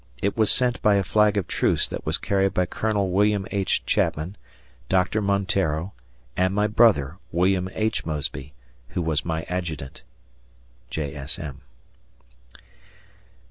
It was sent by a flag of truce that was carried by Colonel Wm. H. Chapman, Dr. Monteiro, and my brother, Wm. H. Mosby, who was my adjutant. J. S. M.)